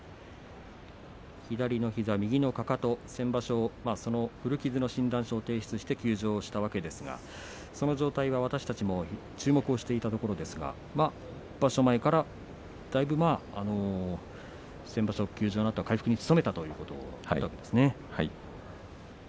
左の膝、右のかかとが先場所、古傷の診断書を提出して休場したわけですがその状態は、私たちも注目していたところですが場所前からだいぶ先場所休場のあと回復に努めたというわけですね。